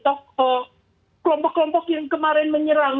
atau kelompok kelompok yang kemarin menyerang